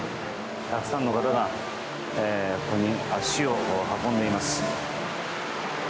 たくさんの方がここに足を運んでいます。